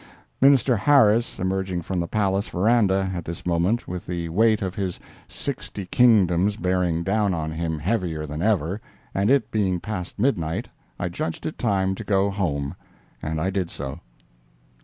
Minister Harris emerging from the Palace verandah at this moment with the weight of his sixty kingdoms bearing down on him heavier than ever, and it being past midnight, I judged it time to go home, and I did so.